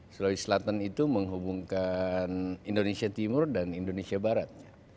sulawesi selatan itu menghubungkan indonesia timur dan indonesia barat